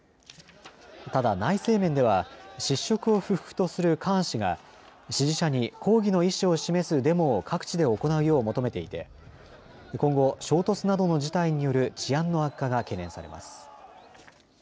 ただ内政面では失職を不服とするカーン氏が支持者に抗議の意志を示すデモを各地で行うよう求めていて今後衝突などの事態による治安の悪化が懸念されます。